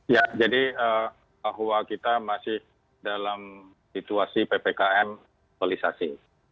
ya jadi bahwa kita masih dalam situasi ppkm polisasi